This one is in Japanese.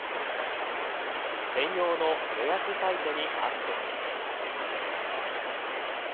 専用の予約サイトにアクセス。